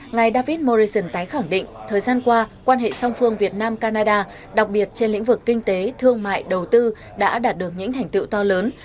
ngài david morrison tái khẳng định thời gian qua quan hệ song phương việt nam canada đặc biệt trên lĩnh vực kinh tế thương mại đầu tư đã đạt được những hành tựu to lớn